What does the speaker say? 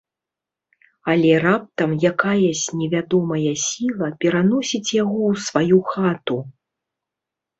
Але раптам якаясь невядомая сiла пераносiць яго ў сваю хату...